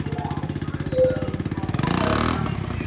Mama Samia alikuwa amepewa jukumu la kuongoza mchakato huo